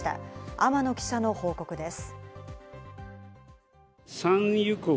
天野記者の報告です。